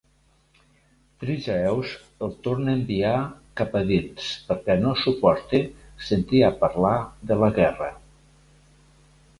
Trygaeus el torna a enviar cap a dins perquè no suporta sentir a parlar de la guerra.